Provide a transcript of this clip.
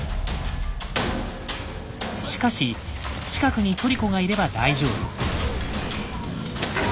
しかし近くにトリコがいれば大丈夫。